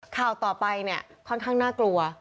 ข่าวต่อไปเนี่ยค่อนข้างน่ากลัว